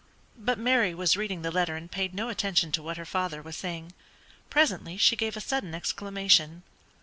But Mary was reading the letter and paid no attention to what her father was saying. Presently she gave a sudden exclamation.